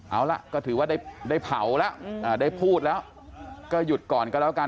เอาล่ะก็ถือว่าได้เผาแล้วได้พูดแล้วก็หยุดก่อนก็แล้วกัน